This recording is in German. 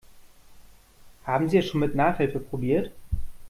Haben Sie es schon mit Nachhilfe probiert?